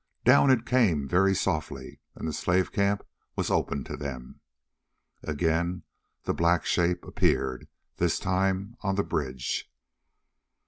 Down it came very softly, and the slave camp was open to them. Again the black shape appeared, this time on the bridge.